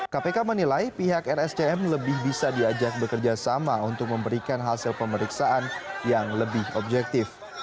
kpk menilai pihak rscm lebih bisa diajak bekerja sama untuk memberikan hasil pemeriksaan yang lebih objektif